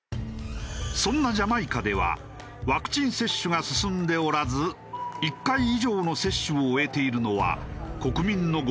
そんなジャマイカではワクチン接種が進んでおらず１回以上の接種を終えているのは国民の５パーセント程度。